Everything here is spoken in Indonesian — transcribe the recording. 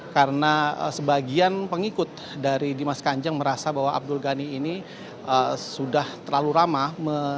karena sebagian pengikut dari dimas kanjeng merasa bahwa abdul ghani ini sudah terlalu ramah